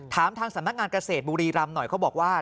ทางสำนักงานเกษตรบุรีรำหน่อยเขาบอกว่า